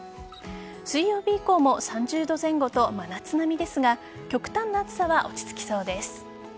水曜日以降も３０度前後と真夏並みですが極端な暑さは落ち着きそうです。